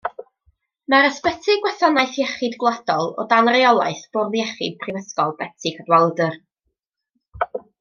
Mae'n ysbyty Gwasanaeth Iechyd Gwladol o dan reolaeth Bwrdd Iechyd Prifysgol Betsi Cadwaladr.